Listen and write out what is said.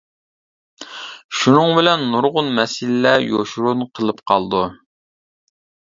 شۇنىڭ بىلەن نۇرغۇن مەسىلىلەر يوشۇرۇن قېلىپ قالىدۇ.